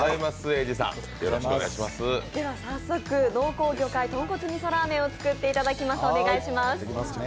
では早速、濃厚魚介豚骨味噌ラーメンを作っていただきます。